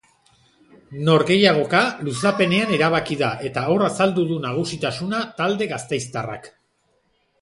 Norgehiagoka luzapenean erabaki da eta hor azaldu du nagusitasuna talde gasteiztarrak.